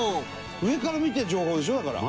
上から見てる情報でしょだから。